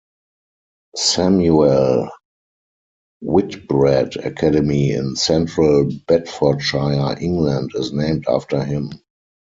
Samuel Whitbread Academy in Central Bedfordshire, England, is named after him.